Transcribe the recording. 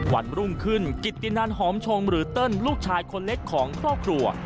วันรุ่งขึ้นกิตตินันหอมชงหรือเติ้ลลูกชายคนเล็กของครอบครัว